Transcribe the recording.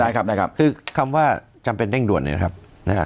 ได้ครับได้ครับคือคำว่าจำเป็นเร่งด่วนเนี่ยนะครับนะครับ